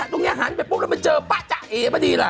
ตรงนี้หันไปปุ๊บแล้วมันเจอป๊ะจะเอมาดีล่ะ